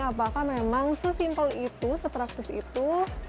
apakah memang sesimpel itu sepraktis itu